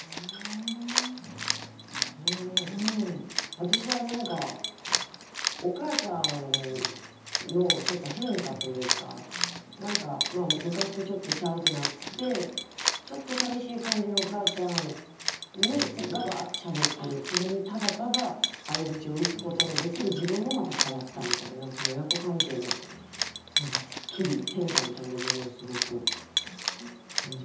私は何かお母ちゃんのちょっと変化というか何か昔とちょっとちゃうくなってちょっと寂しい感じのお母ちゃんがわってしゃべってるそれにただただ相づちを打つことのできる自分もまた変わったみたいなその親子関係の何か機微変化みたいなものをすごく感じましたけれども。